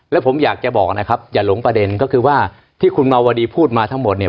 แล้วผมอยากจะบอกนะครับอย่าหลงประเด็นก็คือว่าที่คุณมาวดีพูดมาทั้งหมดเนี่ย